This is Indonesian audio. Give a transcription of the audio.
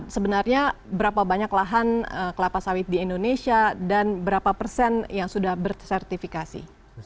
sebenarnya berapa banyak lahan kelapa sawit di indonesia dan berapa persen yang sudah bersertifikasi